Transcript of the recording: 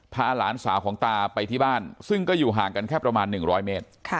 พาหลานสาวของตาไปที่บ้านซึ่งก็อยู่ห่างกันแค่ประมาณ๑๐๐เมตร